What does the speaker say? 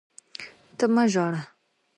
ته مه ژاړه!